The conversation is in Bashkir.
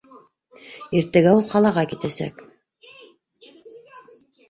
Иртәгә ул ҡалаға китәсәк.